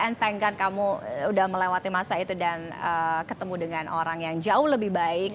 and thank kan kamu udah melewati masa itu dan ketemu dengan orang yang jauh lebih baik